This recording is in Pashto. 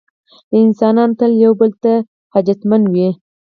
انسانان تل یو بل ته حاجتمنده وي.